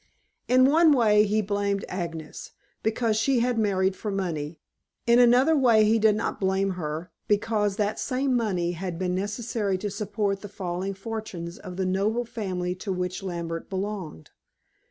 In one way he blamed Agnes, because she had married for money; in another way he did not blame her, because that same money had been necessary to support the falling fortunes of the noble family to which Lambert belonged.